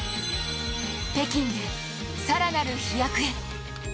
北京で更なる飛躍へ！